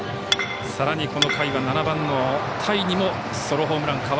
さらにこの回は７番の田井にもソロホームラン。